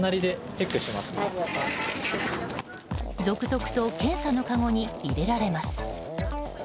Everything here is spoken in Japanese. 続々と検査のかごに入れられます。